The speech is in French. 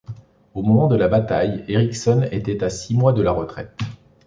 Au moment de la bataille, Eriksen était à six mois de la retraite.